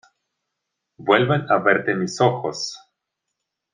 ¡ vuelven a verte mis ojos!...